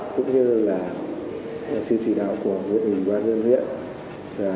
cũng như là sự chỉ đạo của nguyễn bình văn yên huyện